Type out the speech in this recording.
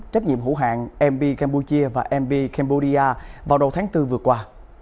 trách nhiệm hữu hạng mb campuchia và mb cambodia vào đầu tháng bốn vừa qua